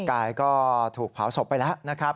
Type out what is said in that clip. กายก็ถูกเผาศพไปแล้วนะครับ